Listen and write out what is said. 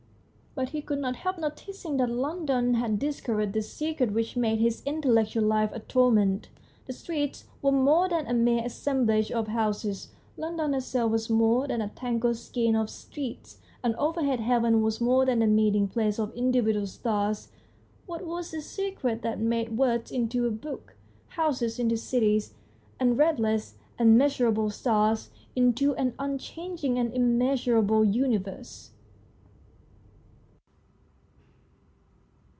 But he could not help noticing that London had discovered the secret which made his intel lectual life a torment. The streets were more than a mere assemblage of houses, London herself was more than a tangled skein of streets, and overhead heaven was more than a meeting place of individual stars. What was this secret that made words into a book, houses into cities, and restless and measurable stars into an unchanging and immeasurable universe